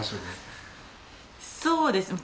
そうですね。